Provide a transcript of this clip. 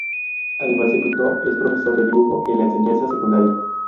Además de pintor, es profesor de dibujo en la Enseñanza Secundaria.